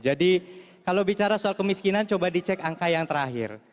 jadi kalau bicara soal kemiskinan coba dicek angka yang terakhir